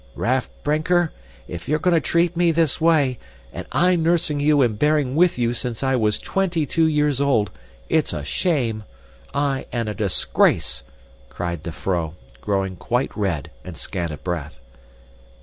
"Raff Brinker! If you're going to treat me this way, and I nursing you and bearing with you since I was twenty two years old, it's a shame. Aye, and a disgrace," cried the vrouw, growing quite red and scant of breath.